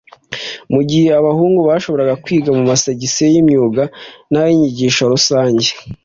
Mu gihe abahungu bashoboraga kwiga mu masegisiyo y'imyuga n'ay'inyigisho rusange